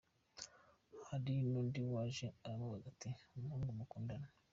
Hari n’undi waje aramubaza ati “Umuhungu mukundana